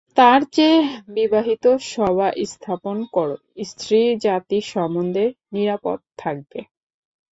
তার চেয়ে বিবাহিত-সভা স্থাপন করো, স্ত্রীজাতি সম্বন্ধে নিরাপদ থাকবে।